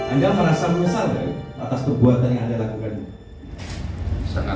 anda merasa menyesal ya atas kebuatan yang anda lakukan